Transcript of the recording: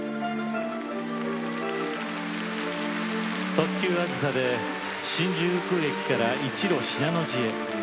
特急「あずさ」で新宿駅から一路信濃路へ。